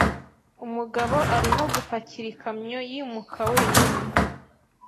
Umugabo arimo gupakira ikamyo yimuka wenyine.